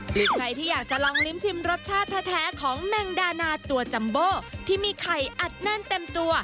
หรือใครที่อยากจะลองลิ้มชิมรสชาติแท้ของแมงดานาตัวจัมโบที่มีไข่อัดแน่นเต็มตัว